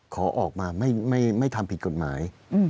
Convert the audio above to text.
ขอออกมาไม่ทำผิดกฎหมาย